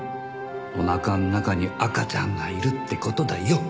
おなかの中に赤ちゃんがいるって事だよ！